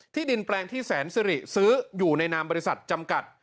ดินแปลงที่แสนสิริซื้ออยู่ในนามบริษัทจำกัด